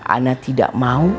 anda tidak mau